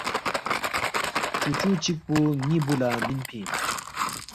چُوچُو چکپو ن٘ی بُو لہ مِنفی اِن